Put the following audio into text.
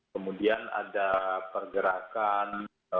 kemudian ada pergerakan